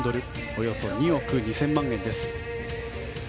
およそ２億２０００万円です。